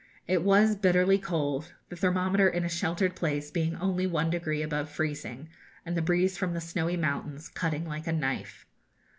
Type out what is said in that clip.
It was bitterly cold, the thermometer, in a sheltered place, being only one degree above freezing, and the breeze from the snowy mountains cutting like a knife.